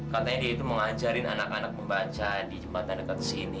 katanya dia itu mengajarin anak anak membaca di jembatan dekat sini